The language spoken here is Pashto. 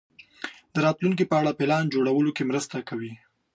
د راتلونکې په اړه پلان جوړولو کې مو مرسته کوي.